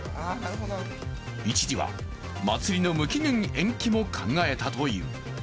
一時は祭りの無期限延期も考えたという。